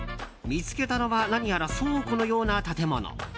見つけたのは何やら倉庫のような建物。